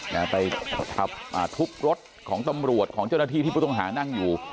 นะฮะไปทับอ่าทุบรถของตำรวจของเจ้าหน้าที่ที่ผู้ต้องหานั่งอยู่